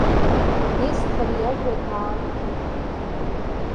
Несҭор иажәа даалгеит.